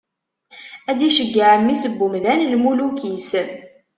Ad d-iceggeɛ mmi-s n umdan lmuluk-is.